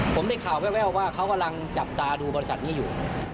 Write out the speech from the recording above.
ผมได้ข่าวแววว่าเขากำลังจับตาดูบริษัทนี้อยู่